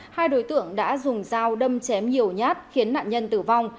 hai đối tượng đã dùng dao đâm chém nhiều nhát khiến nạn nhân tử vong